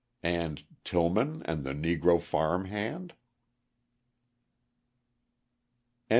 And Tillman and the Negro farmhand?"